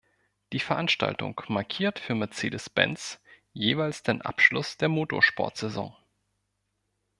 Die Veranstaltung markiert für Mercedes-Benz jeweils den Abschluss der Motorsport-Saison.